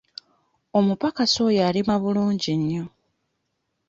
Omupakasi oyo alima bulungi nnyo.